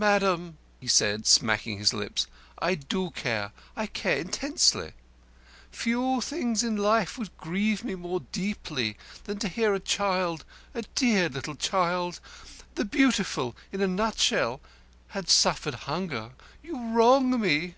"Madam," he said, smacking his lips, "I do care. I care intensely. Few things in life would grieve me more deeply than to hear that a child, a dear little child the Beautiful in a nutshell had suffered hunger. You wrong me."